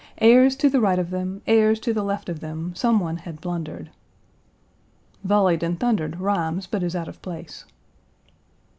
"Airs to the right of them, Airs to the left of them, some one had blundered." "Volleyed and thundered rhymes but is out of place."